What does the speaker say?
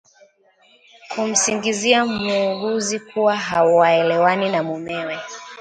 Kumsingizia muuguzi kuwa hawaelewani na mumewe